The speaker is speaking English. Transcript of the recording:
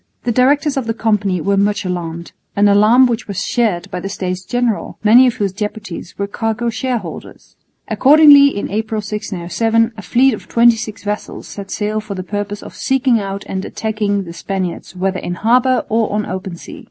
The directors of the Company were much alarmed, an alarm which was shared by the States General, many of whose deputies were cargo shareholders. Accordingly, in April, 1607, a fleet of twenty six vessels set sail for the purpose of seeking out and attacking the Spaniards whether in harbour or on the open sea.